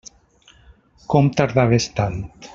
Com tardaves tant?